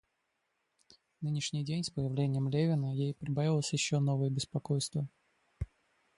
Нынешний день, с появлением Левина, ей прибавилось еще новое беспокойство.